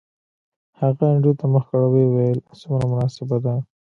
هغه انډریو ته مخ کړ او ویې ویل څومره مناسبه ده